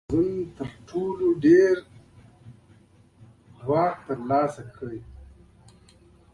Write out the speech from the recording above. کریم خان زند تر ټولو ډېر ځواک تر لاسه کړ.